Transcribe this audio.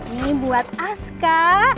ini buat aska